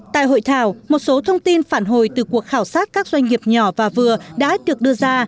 tại hội thảo một số thông tin phản hồi từ cuộc khảo sát các doanh nghiệp nhỏ và vừa đã được đưa ra